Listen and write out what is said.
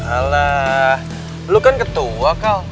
alah dulu kan ketua kal